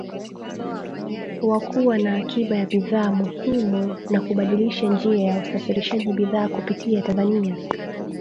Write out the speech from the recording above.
Wa kuwa na akiba ya bidhaa muhimu na kubadilisha njia ya usafirishaji bidhaa kupitia Tanzania.